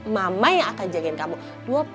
mama yang akan jagain kamu dua puluh empat jam